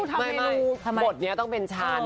อ้าาไม่ไม่มัดเนี้ยต้องเป็นฉัน